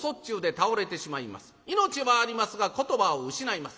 命はありますが言葉を失います。